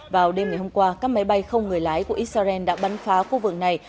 vào đêm ngày hôm qua các máy bay không người lái của israel đã bắn phá khu vực này